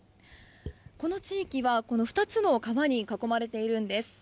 この地域は２つの川に囲まれているんです。